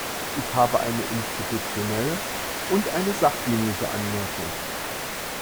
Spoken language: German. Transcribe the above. Ich habe eine institutionelle und eine sachdienliche Anmerkung.